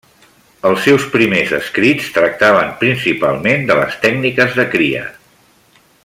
Els seus primers escrits tractaven principalment de les tècniques de cria.